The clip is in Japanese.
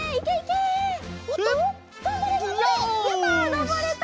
のぼれた！